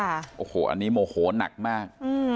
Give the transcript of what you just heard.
อันนี้โมโหหนักมาก